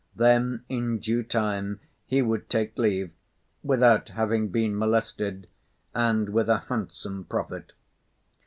Then, in due time, he would take leave, without having been molested and with a handsome profit.